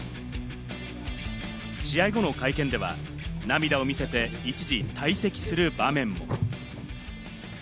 試合後の会見では涙を見せて一時退席する場面も。